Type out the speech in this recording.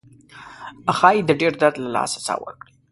ښایي د ډیر درد له لاسه ساه ورکړي.